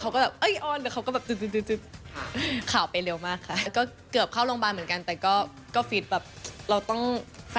เค้าก็อ้อยออนเค้าก็จะบอกดึชดึชดึช